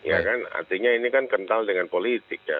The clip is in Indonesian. ya kan artinya ini kan kental dengan politik ya